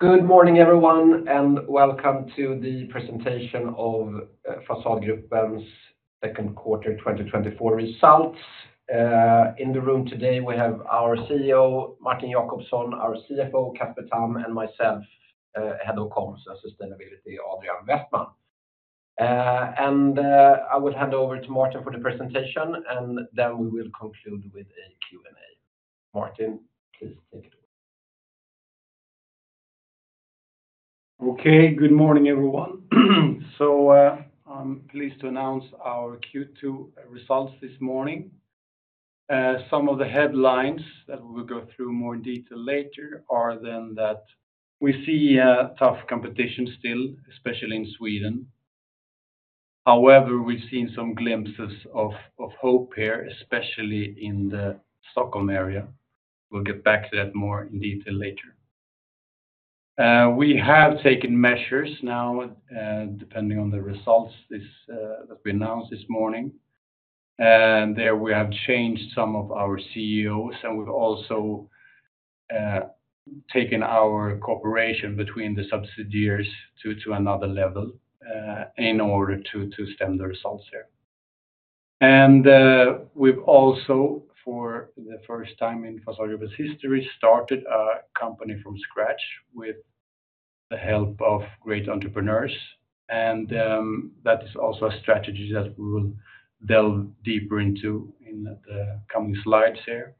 Good morning, everyone, and welcome to the presentation of Fasadgruppen's second quarter 2024 results. In the room today, we have our CEO, Martin Jacobsson, our CFO, Casper Tamm, and myself, Head of Comms and Sustainability, Adrian Westman. I will hand over to Martin for the presentation, and then we will conclude with a Q&A. Martin, please take it away. Okay, good morning, everyone. I'm pleased to announce our Q2 results this morning. Some of the headlines that we will go through more in detail later are then that we see a tough competition still, especially in Sweden. However, we've seen some glimpses of hope here, especially in the Stockholm area. We'll get back to that more in detail later. We have taken measures now, depending on the results that we announced this morning, and there we have changed some of our CEOs, and we've also taken our cooperation between the subsidiaries to another level, in order to stem the results there. We've also, for the first time in Fasadgruppen's history, started a company from scratch with the help of great entrepreneurs, and that is also a strategy that we will delve deeper into in the coming slides here.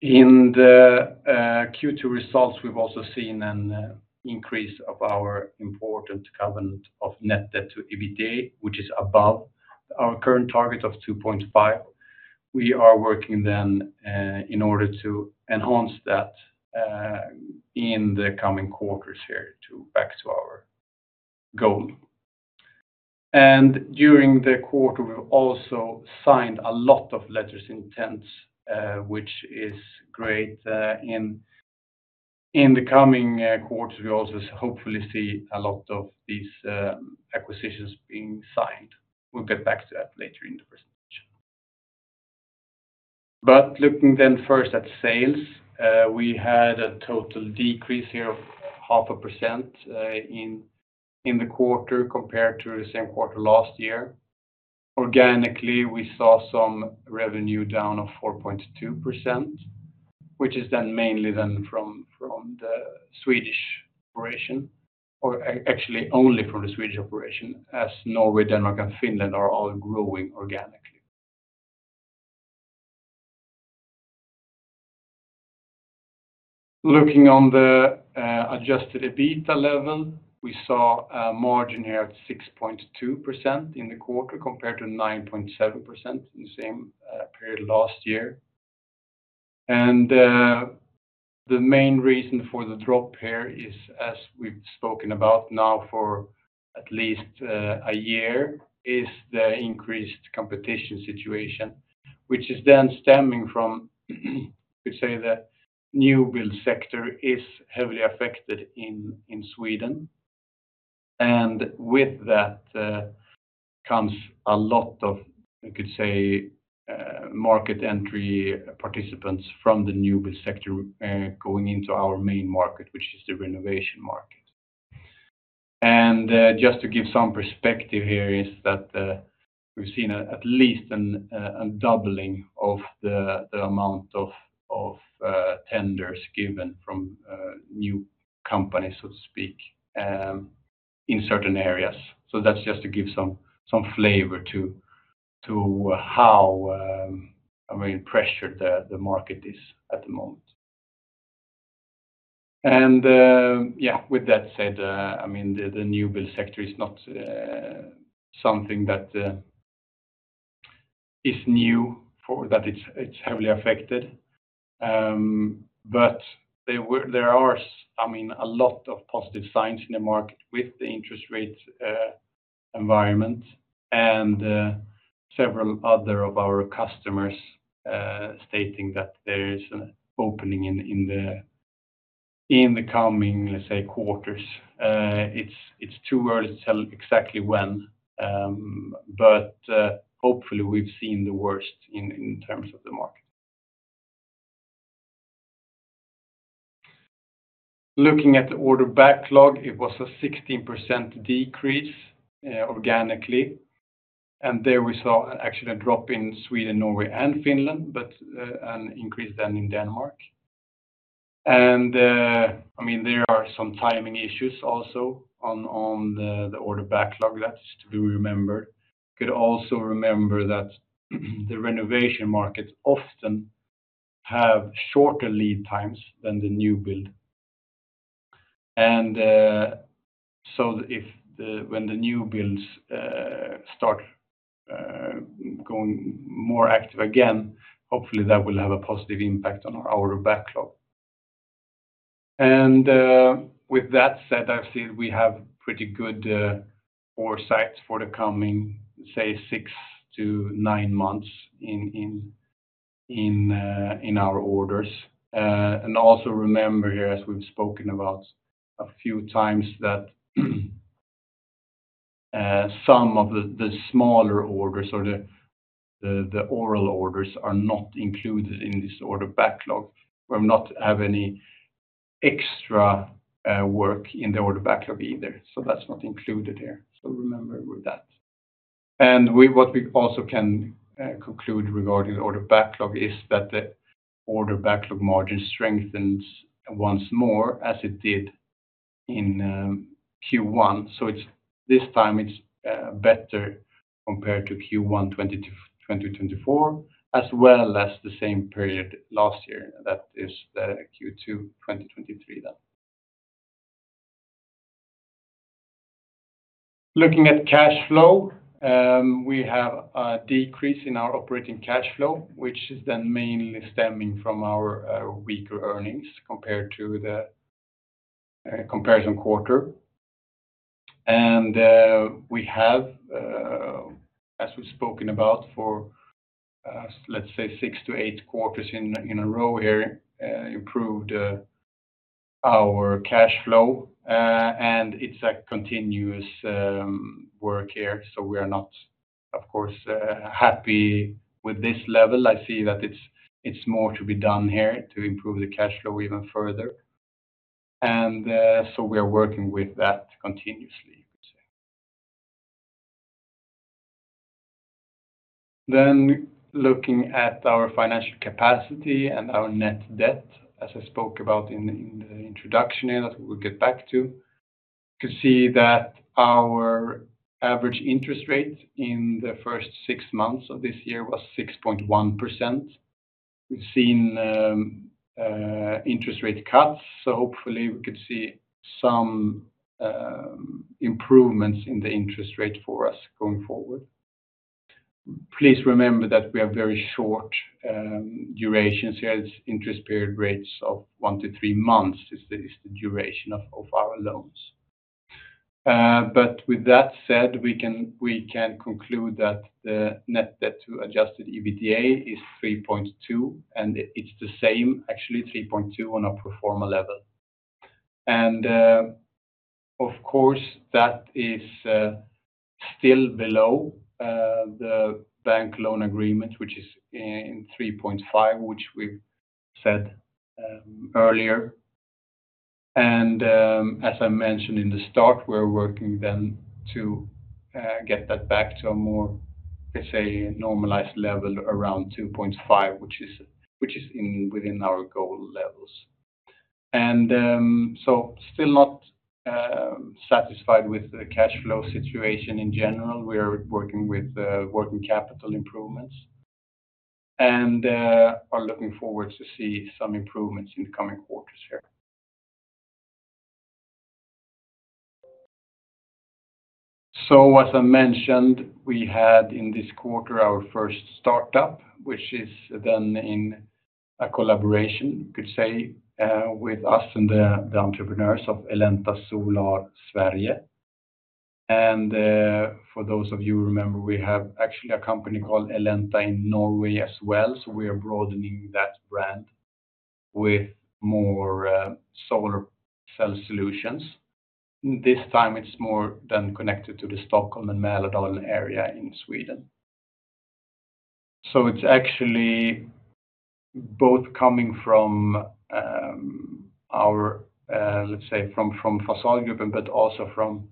In the Q2 results, we've also seen an increase of our important covenant of net debt to EBITDA, which is above our current target of 2.5. We are working then in order to enhance that in the coming quarters here to back to our goal. And during the quarter, we've also signed a lot of letters of intent, which is great. In the coming quarters, we also hopefully see a lot of these acquisitions being signed. We'll get back to that later in the presentation. Looking then first at sales, we had a total decrease here of 0.5% in the quarter compared to the same quarter last year. Organically, we saw some revenue down of 4.2%, which is then mainly from the Swedish operation, actually only from the Swedish operation, as Norway, Denmark, and Finland are all growing organically. Looking on the Adjusted EBITDA level, we saw a margin here of 6.2% in the quarter, compared to 9.7% in the same period last year. The main reason for the drop here is, as we've spoken about now for at least a year, the increased competition situation, which is then stemming from, we say the new build sector is heavily affected in Sweden. With that comes a lot of, you could say, market entry participants from the new build sector going into our main market, which is the renovation market. And just to give some perspective here, we've seen at least a doubling of the amount of tenders given from new companies, so to speak, in certain areas. So that's just to give some flavor to how I mean pressured the market is at the moment. And yeah, with that said, I mean, the new build sector is not something that is new, for that it's heavily affected. But there are, I mean, a lot of positive signs in the market with the interest rate environment, and several other of our customers stating that there is an opening in the coming, let's say, quarters. It's too early to tell exactly when, but hopefully, we've seen the worst in terms of the market. Looking at the order backlog, it was a 16% decrease organically, and there we saw actually a drop in Sweden, Norway, and Finland, but an increase then in Denmark. And I mean, there are some timing issues also on the order backlog, that is to remember. Could also remember that, the renovation markets often have shorter lead times than the new build. And, so if the, when the new builds, start, going more active again, hopefully, that will have a positive impact on our order backlog. And, with that said, I've seen we have pretty good, foresight for the coming, say, 6-9 months in our orders. And also remember here, as we've spoken about a few times, that, some of the smaller orders or the oral orders are not included in this order backlog. We not have any extra, work in the order backlog either, so that's not included there. So remember with that. And what we also can, conclude regarding order backlog is that the order backlog margin strengthens once more, as it did in Q1. So it's this time it's better compared to Q1 2024, as well as the same period last year. That is the Q2 2023 then. Looking at cash flow, we have a decrease in our operating cash flow, which is then mainly stemming from our weaker earnings compared to the comparison quarter. We have, as we've spoken about for let's say 6-8 quarters in a row here, improved our cash flow, and it's a continuous work here, so we are not, of course, happy with this level. I see that it's more to be done here to improve the cash flow even further. So we are working with that continuously, you could say. Then looking at our financial capacity and our net debt, as I spoke about in the introduction here, that we'll get back to, to see that our average interest rate in the first 6 months of this year was 6.1%. We've seen interest rate cuts, so hopefully we could see some improvements in the interest rate for us going forward. Please remember that we have very short duration, say, interest period rates of 1-3 months is the duration of our loans. But with that said, we can conclude that the net debt to Adjusted EBITDA is 3.2, and it's the same, actually, 3.2, on a pro forma level. Of course, that is still below the bank loan agreement, which is in 3.5, which we said earlier. As I mentioned in the start, we're working then to get that back to a more, let's say, normalized level around 2.5, which is within our goal levels. So still not satisfied with the cash flow situation in general. We are working with working capital improvements and are looking forward to see some improvements in the coming quarters here. So as I mentioned, we had in this quarter our first startup, which is then in a collaboration, you could say, with us and the entrepreneurs of Elenta Solar Sverige. For those of you who remember, we have actually a company called Elenta in Norway as well, so we are broadening that brand with more solar cell solutions. This time it's more connected to the Stockholm and Mälardalen area in Sweden. So it's actually both coming from our, let's say from Fasadgruppen, but also from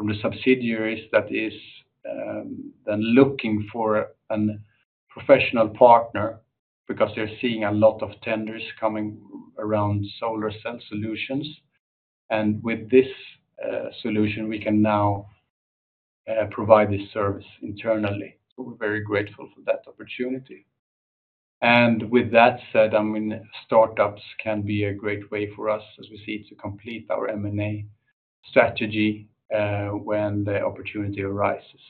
the subsidiaries that is then looking for a professional partner because they're seeing a lot of tenders coming around solar cell solutions. And with this solution, we can now provide this service internally, so we're very grateful for that opportunity. And with that said, I mean, startups can be a great way for us, as we see, to complete our M&A strategy when the opportunity arises.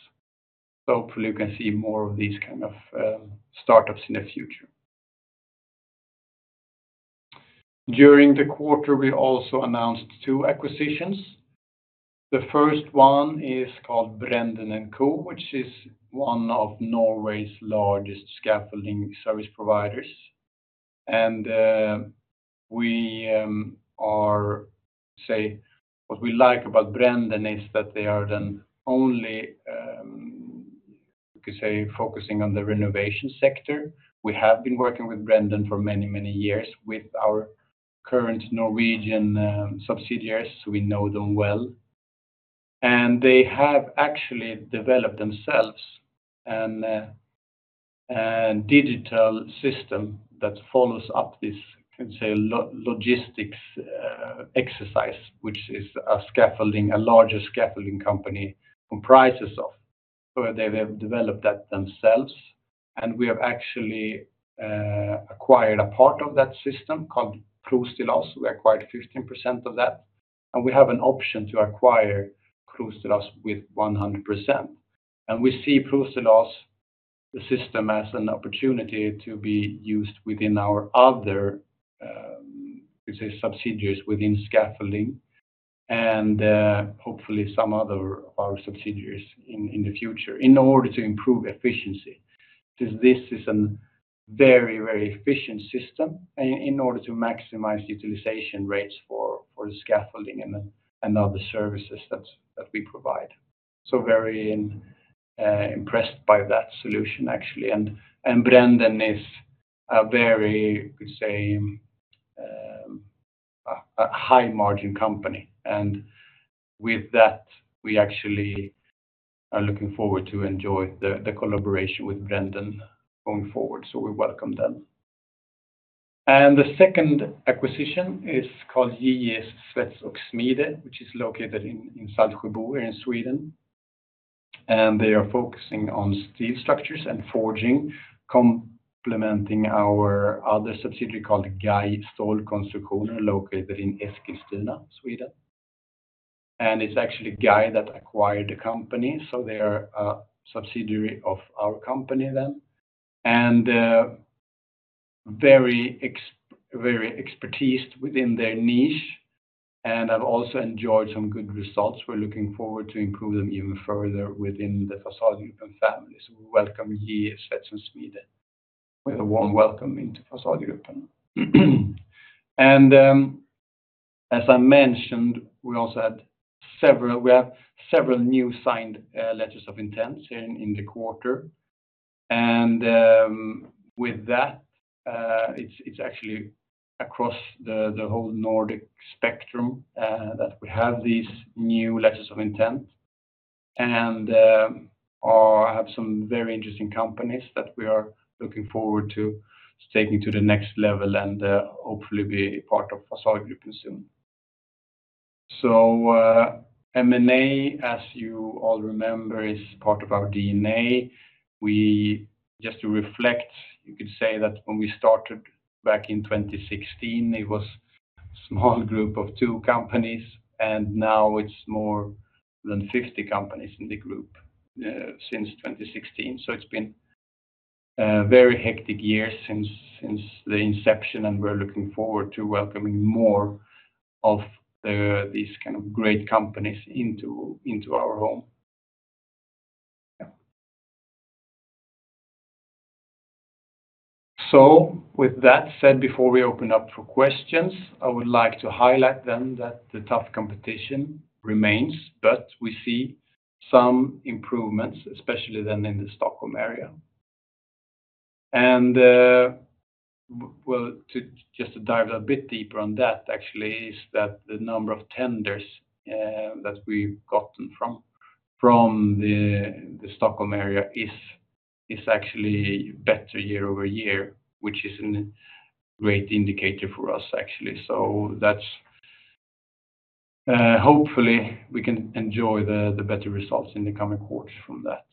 So hopefully you can see more of these kind of startups in the future. During the quarter, we also announced two acquisitions. The first one is called Brenden & Co, which is one of Norway's largest scaffolding service providers. And, what we like about Brenden is that they are then only, you could say, focusing on the renovation sector. We have been working with Brenden for many, many years with our current Norwegian subsidiaries, so we know them well. And they have actually developed themselves a digital system that follows up this logistics exercise, which is a scaffolding, a larger scaffolding company comprises of. So they have developed that themselves, and we have actually acquired a part of that system called Prostillas. We acquired 15% of that, and we have an option to acquire Prostillas with 100%. We see Prostillas, the system, as an opportunity to be used within our other, let's say, subsidiaries within scaffolding and, hopefully some other of our subsidiaries in the future, in order to improve efficiency. Since this is a very, very efficient system in order to maximize utilization rates for the scaffolding and other services that we provide. So very impressed by that solution, actually. And Brenden is a very, you could say, a high margin company, and with that, we actually are looking forward to enjoy the collaboration with Brenden going forward. So we welcome them. And the second acquisition is called JJ Svets & Smide, which is located in Saltsjöbaden in Sweden. And they are focusing on steel structures and forging, complementing our other subsidiary called GAJ Stålkonstruktioner, located in Eskilstuna, Sweden. It's actually GAJ that acquired the company, so they are a subsidiary of our company then. Very expertised within their niche, and have also enjoyed some good results. We're looking forward to improve them even further within the Fasadgruppen family. We welcome JJ Svets & Smide with a warm welcome into Fasadgruppen. As I mentioned, we also had several we have several new signed letters of intent in the quarter. With that, it's actually across the whole Nordic spectrum that we have these new letters of intent. Have some very interesting companies that we are looking forward to taking to the next level and hopefully be a part of Fasadgruppen soon. M&A, as you all remember, is part of our DNA. Just to reflect, you could say that when we started back in 2016, it was a small group of 2 companies, and now it's more than 50 companies in the group, since 2016. So it's been a very hectic year since the inception, and we're looking forward to welcoming more of these kind of great companies into our home. Yeah. So with that said, before we open up for questions, I would like to highlight that the tough competition remains, but we see some improvements, especially in the Stockholm area. Well, to just dive a bit deeper on that, actually, is that the number of tenders that we've gotten from the Stockholm area is actually better year-over-year, which is a great indicator for us, actually. So that's hopefully we can enjoy the better results in the coming quarters from that.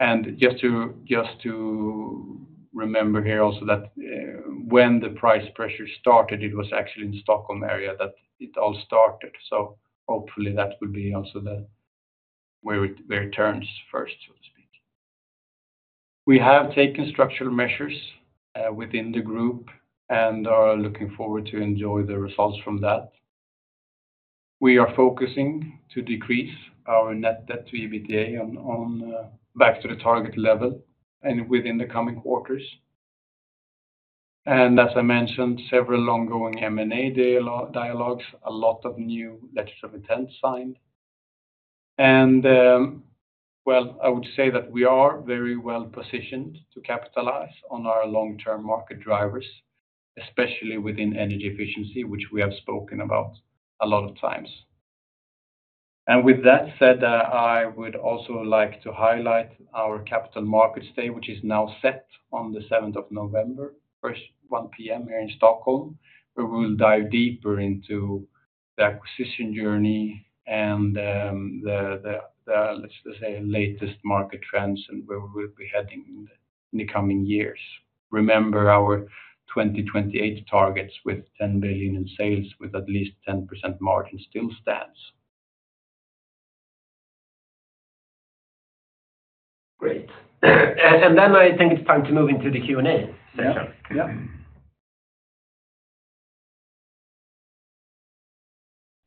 And just to remember here also that when the price pressure started, it was actually in the Stockholm area that it all started. So hopefully that would be also where it turns first, so to speak. We have taken structural measures within the group and are looking forward to enjoy the results from that. We are focusing to decrease our net debt to EBITDA back to the target level and within the coming quarters. And as I mentioned, several ongoing M&A dialogues, a lot of new letters of intent signed. And well, I would say that we are very well positioned to capitalize on our long-term market drivers, especially within energy efficiency, which we have spoken about a lot of times. With that said, I would also like to highlight our Capital Markets Day, which is now set on the 7th November, 1:00 P.M. here in Stockholm, where we will dive deeper into the acquisition journey and, let's just say, the latest market trends and where we'll be heading in the coming years. Remember, our 2028 targets, with 10 billion in sales with at least 10% margin, still stands. Great. Then I think it's time to move into the Q&A session. Yeah.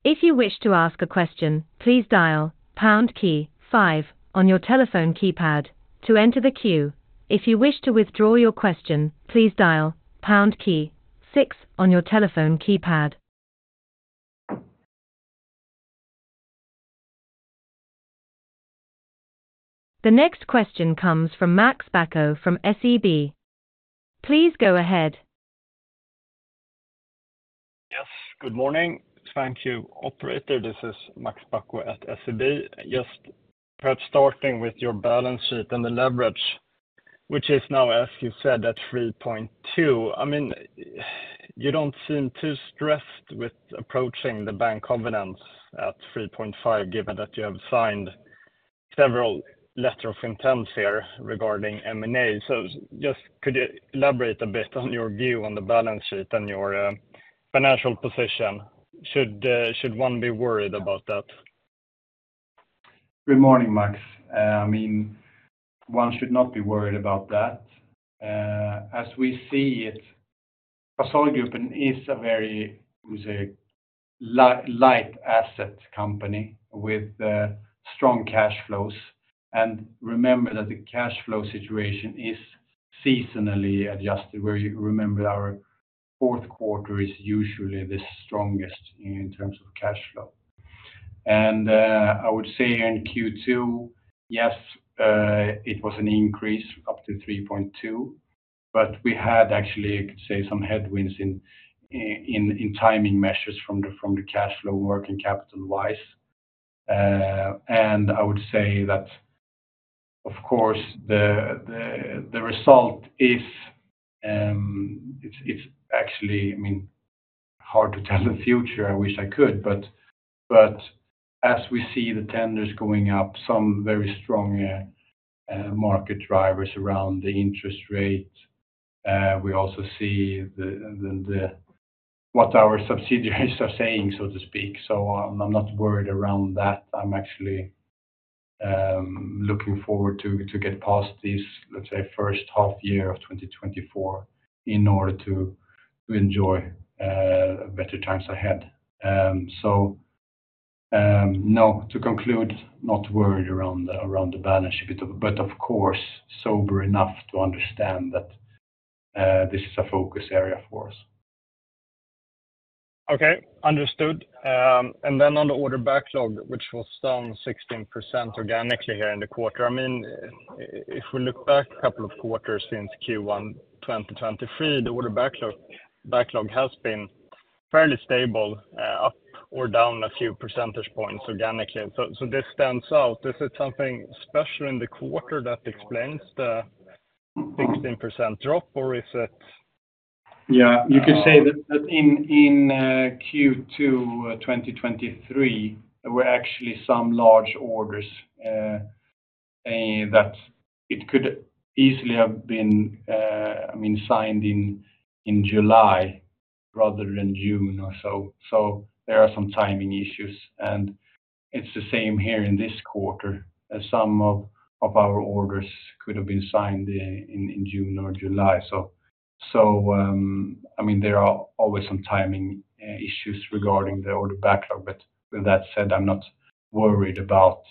If you wish to ask a question, please dial pound key five on your telephone keypad to enter the queue. If you wish to withdraw your question, please dial pound key six on your telephone keypad. The next question comes from Max Bacco from SEB. Please go ahead. Yes, good morning. Thank you, operator. This is Max Bacco at SEB. Just perhaps starting with your balance sheet and the leverage, which is now, as you said, at 3.2. I mean, you don't seem too stressed with approaching the bank covenants at 3.5, given that you have signed several letters of intent here regarding M&A. So just could you elaborate a bit on your view on the balance sheet and your financial position? Should one be worried about that? Good morning, Max. I mean, one should not be worried about that. As we see it, Fasadgruppen Group is a very light asset company with strong cash flows. And remember that the cash flow situation is seasonally adjusted, as you remember our fourth quarter is usually the strongest in terms of cash flow. And I would say in Q2, yes, it was an increase up to 3.2, but we had actually, I could say, some headwinds in timing measures from the cash flow working capital-wise. And I would say that, of course, the result is actually, I mean, hard to tell the future. I wish I could, but as we see the tenders going up, some very strong market drivers around the interest rate, we also see what our subsidiaries are saying, so to speak. So I'm not worried around that. I'm actually looking forward to get past this, let's say, first half year of 2024 in order to enjoy better times ahead. So, no, to conclude, not worried around the balance sheet, but of course, sober enough to understand that this is a focus area for us. Okay, understood. And then on the order backlog, which was down 16% organically here in the quarter, I mean, if we look back a couple of quarters since Q1 2023, the order backlog has been fairly stable, up or down a few percentage points organically. So this stands out. Is it something special in the quarter that explains the 16% drop, or is it- Yeah, you could say that, that in Q2 2023, there were actually some large orders that it could easily have been, I mean, signed in July rather than June or so. So there are some timing issues, and it's the same here in this quarter, as some of our orders could have been signed in June or July. So, I mean, there are always some timing issues regarding the order backlog, but with that said, I'm not worried about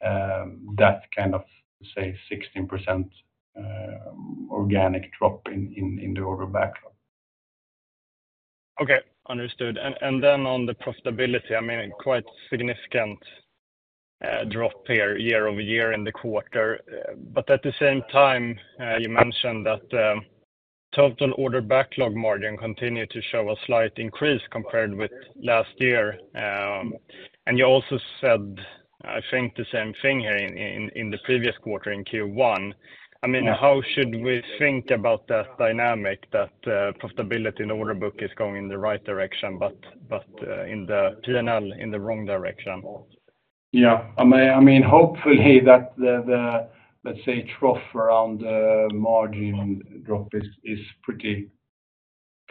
that kind of, say, 16% organic drop in the order backlog. Okay, understood. And then on the profitability, I mean, quite significant drop here year-over-year in the quarter. But at the same time, you mentioned that total order backlog margin continued to show a slight increase compared with last year. And you also said, I think the same thing here in the previous quarter, in Q1. Yeah. I mean, how should we think about that dynamic, that profitability in the order book is going in the right direction, but in the PNL, in the wrong direction? Yeah. I mean, I mean, hopefully that the, the, let's say, trough around the margin drop is, is pretty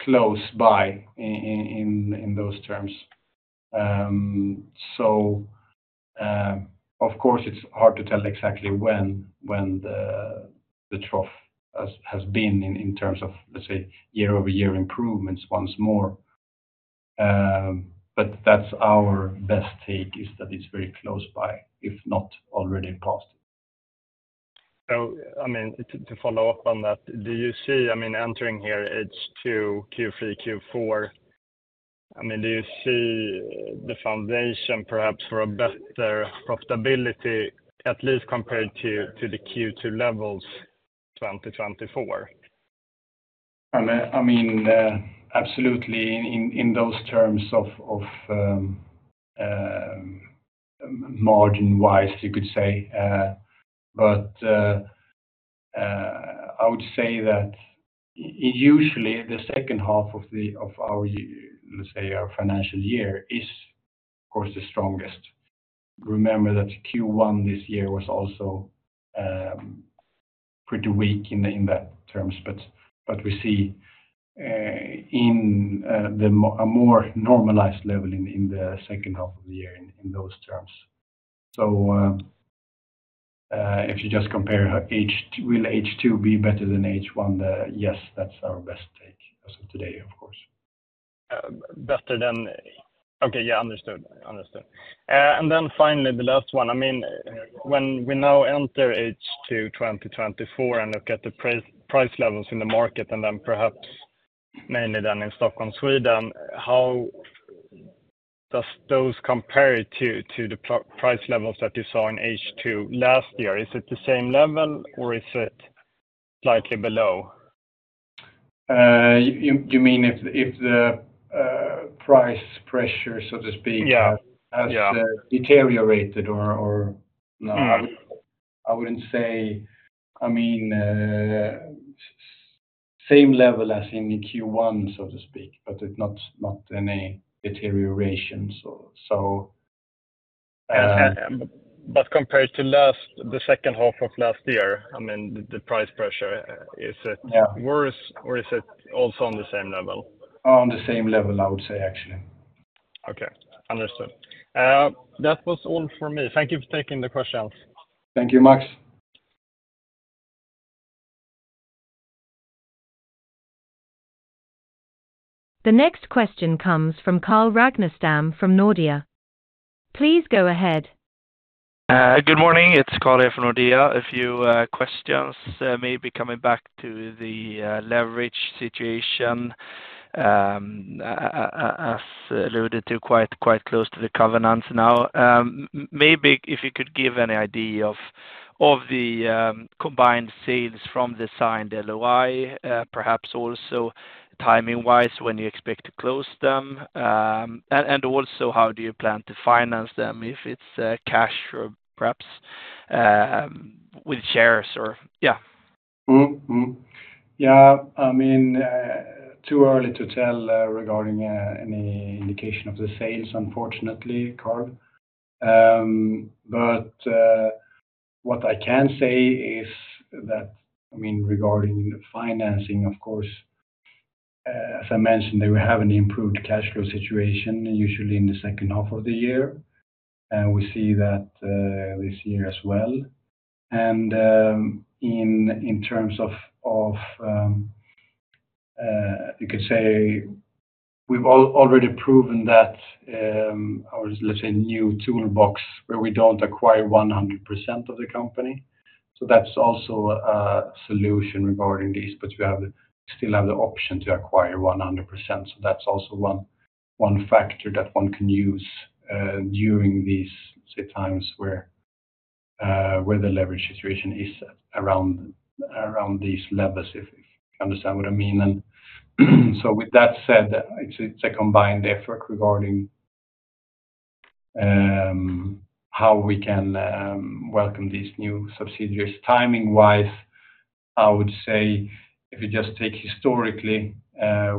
close by in, in those terms. So, of course, it's hard to tell exactly when, when the, the trough has, has been in, in terms of, let's say, year-over-year improvements once more. But that's our best take, is that it's very close by, if not already passed. So, I mean, to follow up on that, do you see, I mean, entering here, H2, Q3, Q4, I mean, do you see the foundation perhaps for a better profitability, at least compared to the Q2 levels, 2024? I mean, absolutely in those terms of margin-wise, you could say. But I would say that usually, the second half of our, let's say, our financial year is, of course, the strongest. Remember that Q1 this year was also pretty weak in that terms, but we see a more normalized level in the second half of the year in those terms. So, if you just compare H2... Will H2 be better than H1? Yes, that's our best take as of today, of course. Better than, okay, yeah, understood. Understood. And then finally, the last one, I mean, when we now enter H2 2024 and look at the price levels in the market, and then perhaps mainly then in Stockholm, Sweden, how does those compare to, to the price levels that you saw in H2 last year? Is it the same level, or is it slightly below? You mean if the price pressure, so to speak- Yeah... has deteriorated or, or? Mm. No, I wouldn't say... I mean, same level as in Q1, so to speak, but it not any deterioration, so... But compared to last, the second half of last year, I mean, the price pressure, is it- Yeah Worse, or is it also on the same level? On the same level, I would say, actually. Okay, understood. That was all for me. Thank you for taking the questions. Thank you, Max. The next question comes from Carl Ragnerstam from Nordea. Please go ahead. Good morning. It's Carl here from Nordea. A few questions, maybe coming back to the leverage situation. As alluded to, quite close to the covenants now. Maybe if you could give an idea of the combined sales from the signed LOI, perhaps also timing-wise, when you expect to close them. And also how do you plan to finance them, if it's cash or perhaps with shares or yeah. Yeah, I mean, it's too early to tell regarding any indication of the sales, unfortunately, Carl. But what I can say is that, I mean, regarding the financing, of course, as I mentioned, that we have an improved cash flow situation, usually in the second half of the year, and we see that this year as well. And in terms of, you could say we've already proven that our, let's say, new toolbox, where we don't acquire 100% of the company. So that's also a solution regarding this, but we still have the option to acquire 100%. So that's also one factor that one can use during these, say, times where the leverage situation is around these levels, if you understand what I mean. And so with that said, it's a combined effort regarding how we can welcome these new subsidiaries. Timing-wise, I would say, if you just take historically,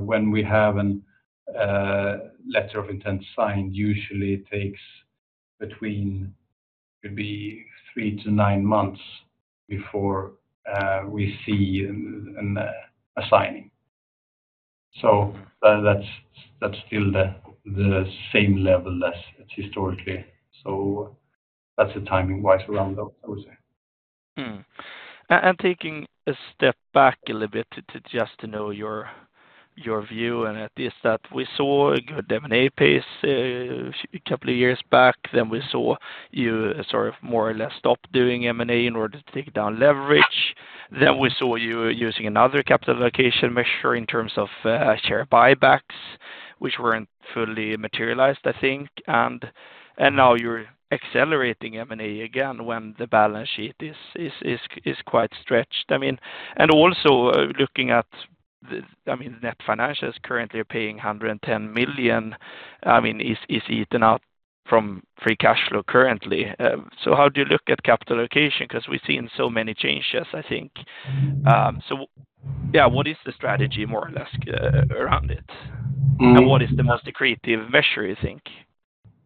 when we have a letter of intent signed, usually it takes between maybe 3-9 months before we see a signing. So that's still the same level as historically. So that's the timing-wise around that, I would say. And taking a step back a little bit to just know your view, and that we saw a good M&A pace a couple of years back, then we saw you sort of more or less stop doing M&A in order to take down leverage. Then we saw you using another capital allocation measure in terms of share buybacks, which weren't fully materialized, I think. And now you're accelerating M&A again, when the balance sheet is quite stretched. I mean. And also, looking at the, I mean, the net financials currently are paying 110 million, I mean, is eaten out from free cash flow currently. So how do you look at capital allocation? Because we've seen so many changes, I think. So yeah, what is the strategy, more or less, around it? Mm-hmm. What is the most creative measure, you think?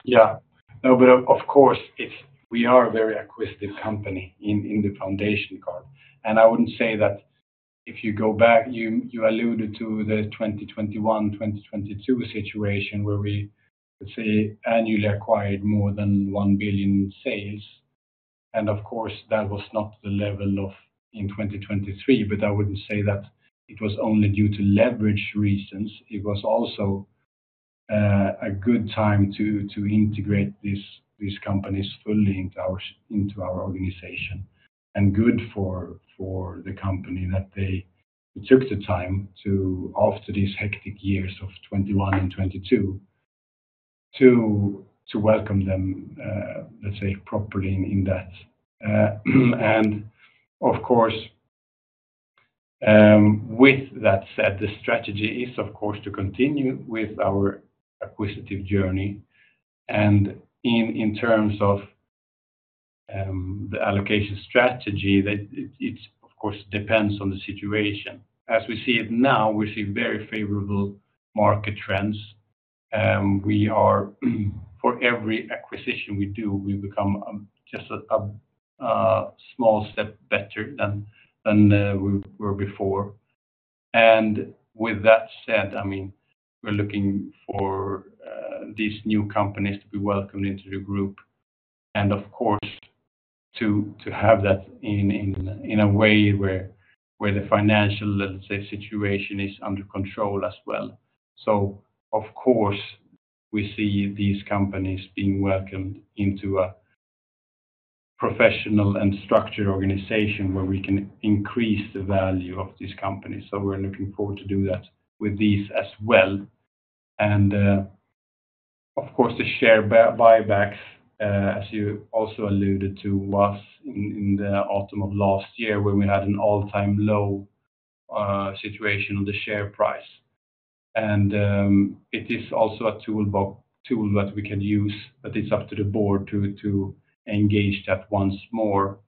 Yeah. No, but of course, it's we are a very acquisitive company in the foundation card, and I wouldn't say that if you go back, you alluded to the 2021, 2022 situation, where we, let's say, annually acquired more than 1 billion in sales, and of course, that was not the level of in 2023, but I wouldn't say that it was only due to leverage reasons. It was also a good time to integrate these companies fully into our organization, and good for the company that they took the time to, after these hectic years of 2021 and 2022, to welcome them, let's say, properly in that. And of course, with that said, the strategy is, of course, to continue with our acquisitive journey, and in terms of the allocation strategy, it of course depends on the situation. As we see it now, we see very favorable market trends. We are, for every acquisition we do, we become just a small step better than we were before. And with that said, I mean, we're looking for these new companies to be welcomed into the group, and of course, to have that in a way where the financial, let's say, situation is under control as well. So of course, we see these companies being welcomed into a professional and structured organization where we can increase the value of this company. So we're looking forward to do that with these as well. Of course, the share buybacks, as you also alluded to, was in the autumn of last year, when we had an all-time low situation on the share price. It is also a toolbox tool that we can use, but it's up to the board to engage that once more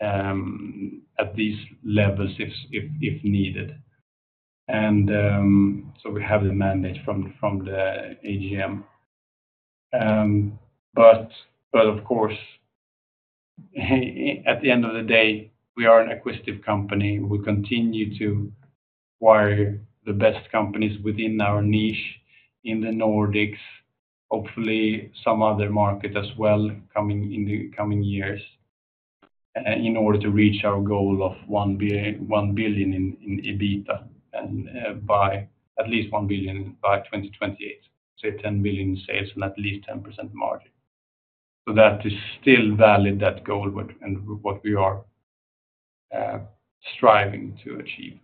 at these levels, if needed. So we have the mandate from the AGM. But of course, at the end of the day, we are an acquisitive company. We continue to acquire the best companies within our niche in the Nordics... hopefully some other market as well, coming in the coming years, in order to reach our goal of 1 billion in EBITDA, and by at least 1 billion by 2028. So 10 billion in sales and at least 10% margin. So that is still valid, that goal, but, and what we are, striving to achieve.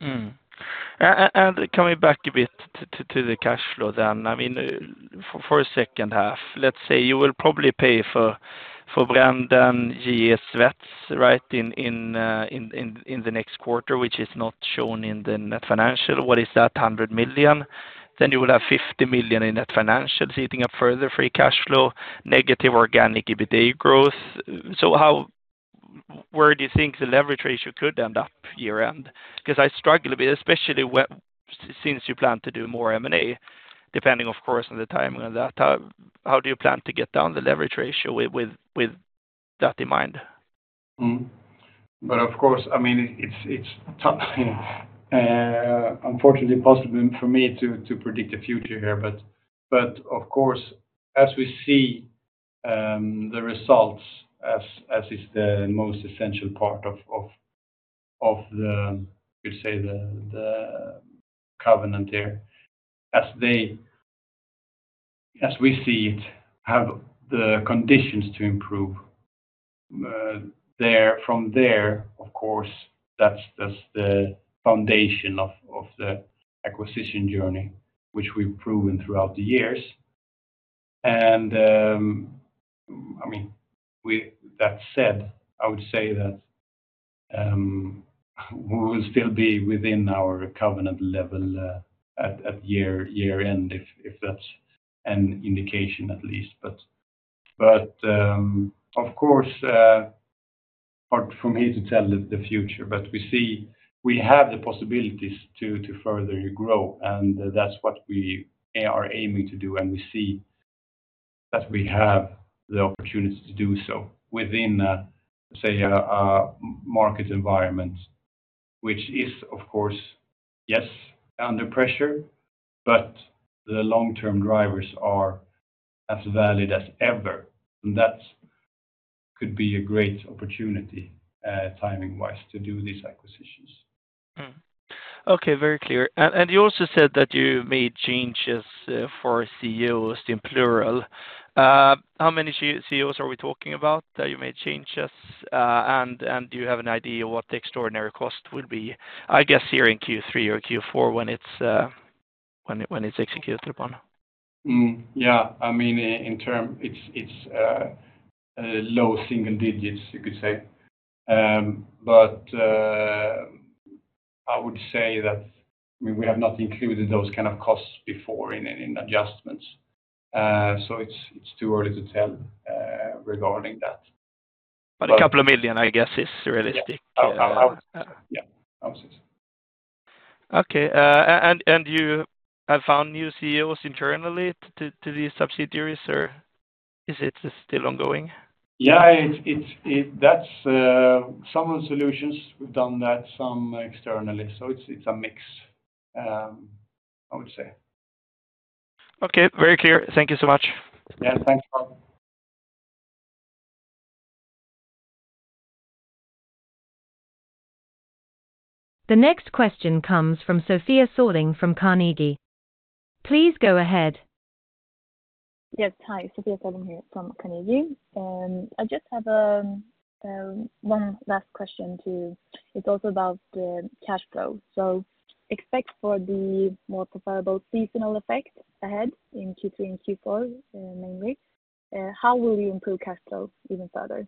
And coming back a bit to the cash flow then, I mean, for a second half, let's say you will probably pay for Brenden and JJ Svets, right? In the next quarter, which is not shown in the net financial. What is that? 100 million. Then you will have 50 million in net financials, eating up further free cash flow, negative organic EBITDA growth. So how... Where do you think the leverage ratio could end up year-end? 'Cause I struggle a bit, especially when since you plan to do more M&A, depending, of course, on the timing of that. How do you plan to get down the leverage ratio with that in mind? But of course, I mean, it's tough, unfortunately impossible for me to predict the future here. But of course, as we see the results, as is the most essential part of the, you say, the covenant here. As we see it, have the conditions to improve there. From there, of course, that's the foundation of the acquisition journey, which we've proven throughout the years. And, I mean, with that said, I would say that we will still be within our covenant level at year-end, if that's an indication, at least. But of course, hard for me to tell the future, but we see we have the possibilities to further grow, and that's what we are aiming to do, and we see that we have the opportunity to do so within, say, a market environment, which is, of course, under pressure, but the long-term drivers are as valid as ever, and that could be a great opportunity, timing-wise, to do these acquisitions. Okay, very clear. And you also said that you made changes for CEOs, in plural. How many CEOs are we talking about, that you made changes? And do you have an idea of what the extraordinary cost will be? I guess here in Q3 or Q4, when it's executed upon. Yeah. I mean, in terms it's low single digits, you could say. But I would say that, I mean, we have not included those kind of costs before in adjustments. So it's too early to tell, regarding that. 2 million, I guess, is realistic. Yeah. I would, yeah. Okay. And you have found new CEOs internally to these subsidiaries, or is it still ongoing? Yeah, it's. That's some solutions we've done that, some externally, so it's a mix, I would say. Okay, very clear. Thank you so much. Yeah. Thanks, Paul. The next question comes from Sofia Sörling from Carnegie. Please go ahead. Yes. Hi, Sofia Sörling here from Carnegie. I just have one last question to you. It's also about the cash flow. So expect for the more profitable seasonal effect ahead in Q3 and Q4, mainly, how will you improve cash flow even further?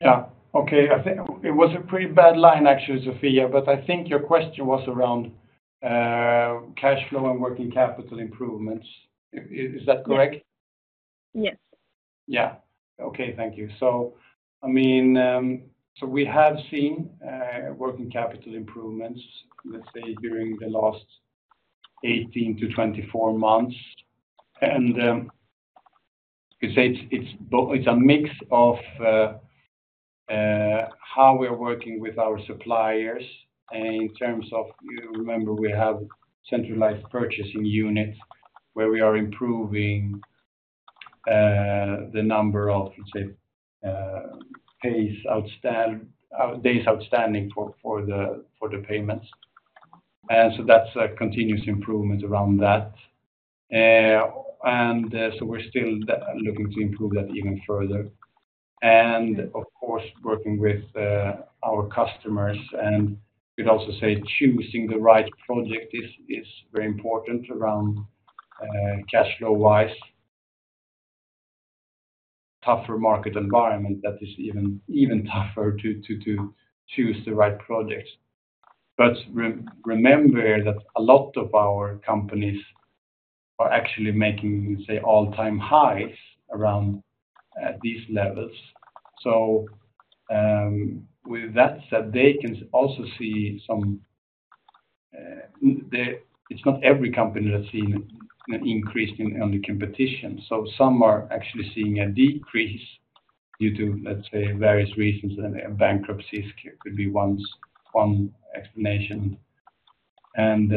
Yeah. Okay. I think it was a pretty bad line, actually, Sofia, but I think your question was around cash flow and working capital improvements. Is that correct? Yes. Yeah. Okay. Thank you. So, I mean, so we have seen working capital improvements, let's say, during the last 18-24 months. And you say it's a mix of how we're working with our suppliers in terms of... You remember we have centralized purchasing units where we are improving the number of, let's say, days outstand- days outstanding for the payments. And so that's a continuous improvement around that. And so we're still looking to improve that even further. And of course, working with our customers and could also say, choosing the right project is very important around cash flow-wise. Tougher market environment, that is even tougher to choose the right projects. But remember that a lot of our companies are actually making, say, all-time highs around these levels. So, with that said, they can also see some. It's not every company that's seen an increase in, on the competition, so some are actually seeing a decrease due to, let's say, various reasons, and bankruptcies could be one explanation, and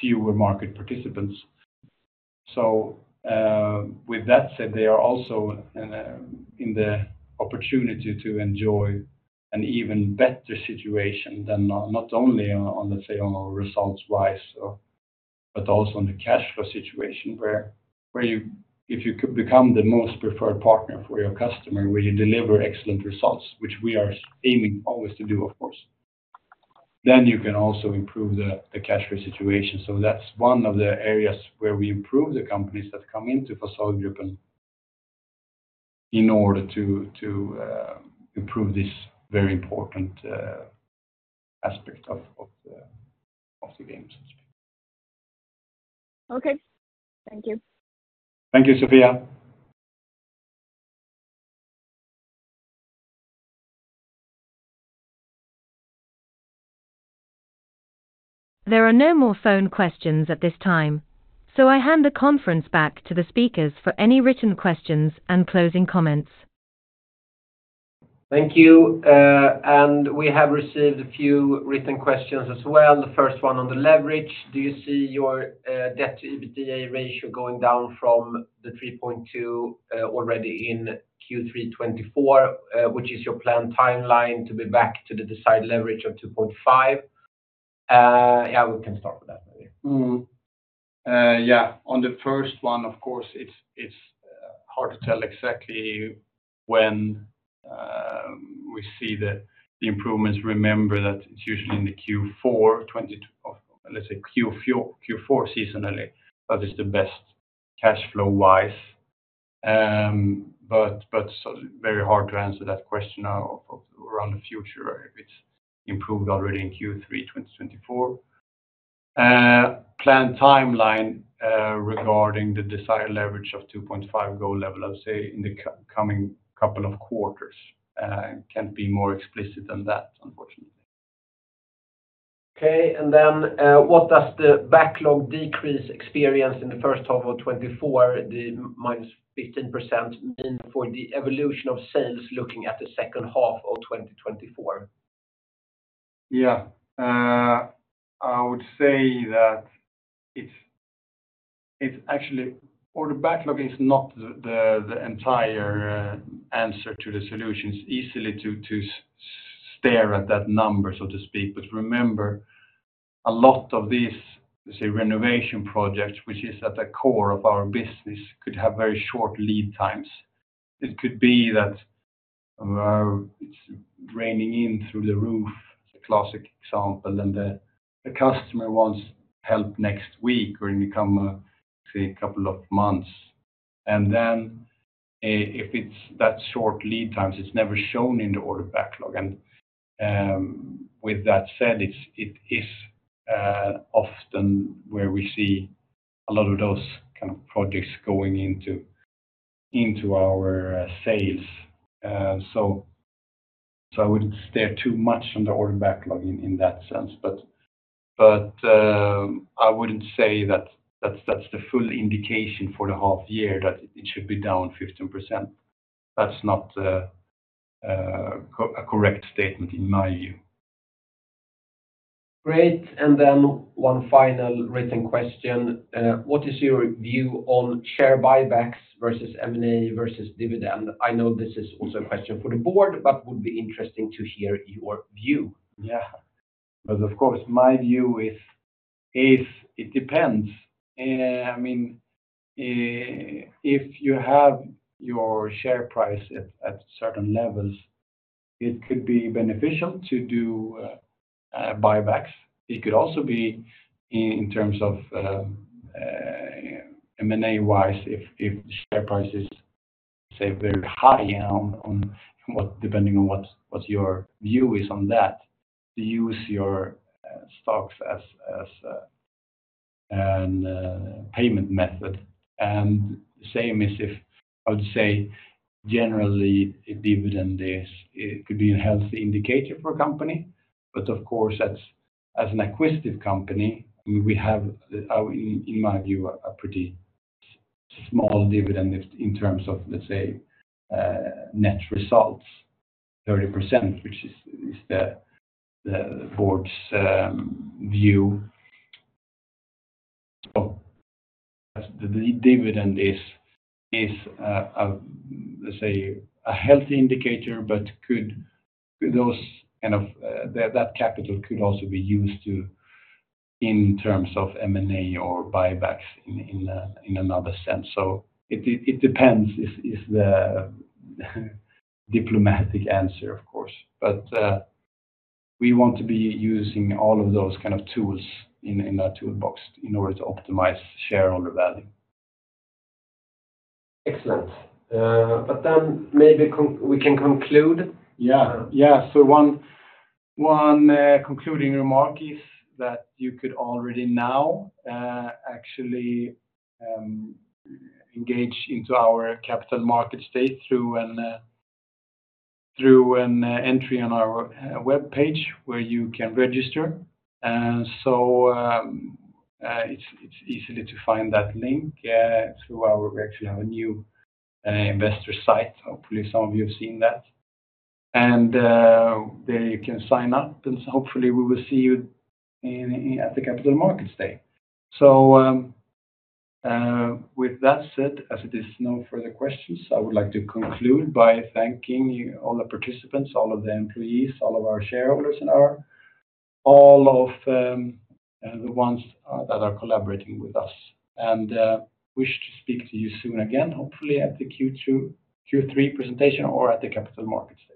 fewer market participants. So, with that said, they are also in the opportunity to enjoy an even better situation than not only on, on the say, on results-wise, but also on the cash flow situation, where if you could become the most preferred partner for your customer, where you deliver excellent results, which we are aiming always to do, of course, then you can also improve the cash flow situation. So that's one of the areas where we improve the companies that come into Fasadgruppen Group, and in order to improve this very important aspect of the game, so to speak. Okay. Thank you. Thank you, Sofia. There are no more phone questions at this time, so I hand the conference back to the speakers for any written questions and closing comments. Thank you, and we have received a few written questions as well. The first one on the leverage: do you see your debt to EBITDA ratio going down from the 3.2 already in Q3 2024? Which is your planned timeline to be back to the desired leverage of 2.5? Yeah, we can start with that maybe. Yeah, on the first one, of course, it's, it's hard to tell exactly when we see the improvements. Remember that it's usually in the Q4, let's say Q4, Q4 seasonally, that is the best cash flow-wise. But, but so very hard to answer that question now of, around the future, if it's improved already in Q3 2024. Planned timeline, regarding the desired leverage of 2.5 goal level, I would say in the coming couple of quarters, can't be more explicit than that, unfortunately. Okay. And then, what does the backlog decrease experience in the first half of 2024, the -15% mean for the evolution of sales, looking at the second half of 2024? Yeah. I would say that it's actually order backlog is not the entire answer to the solutions, easily to stare at that number, so to speak. But remember, a lot of these, let's say, renovation projects, which is at the core of our business, could have very short lead times. It could be that it's raining in through the roof, it's a classic example, and the customer wants help next week or in a couple say, couple of months. And then, if it's that short lead times, it's never shown in the order backlog. And with that said, it is often where we see a lot of those kind of projects going into our sales. So I wouldn't stare too much on the order backlog in that sense. But, I wouldn't say that that's the full indication for the half year that it should be down 15%. That's not a correct statement in my view. Great. One final written question. What is your view on share buybacks versus M&A versus dividend? I know this is also a question for the board, but would be interesting to hear your view. Yeah. But of course, my view is it depends. I mean, if you have your share price at certain levels, it could be beneficial to do buybacks. It could also be in terms of M&A-wise, if share price is, say, very high on what—depending on what your view is on that, to use your stocks as an payment method. And same as if, I would say, generally, a dividend is, it could be a healthy indicator for a company, but of course, as an acquisitive company, we have, in my view, a pretty small dividend in terms of, let's say, net results, 30%, which is the board's view. So the dividend is, let's say, a healthy indicator, but could those kind of... That capital could also be used to, in terms of M&A or buybacks in another sense. So it depends, is the diplomatic answer, of course. But we want to be using all of those kind of tools in that toolbox in order to optimize shareholder value. Excellent. But then maybe we can conclude? Yeah. Yeah. So one concluding remark is that you could already now, actually, engage into our Capital Markets Day through an entry on our webpage, where you can register. So, it's easily to find that link through our. We actually have a new investor site. Hopefully, some of you have seen that. And there you can sign up, and hopefully, we will see you at the Capital Markets Day. So, with that said, as it is no further questions, I would like to conclude by thanking you, all the participants, all of the employees, all of our shareholders, and all of the ones that are collaborating with us. wish to speak to you soon again, hopefully, at the Q2, Q3 presentation or at the Capital Markets Day.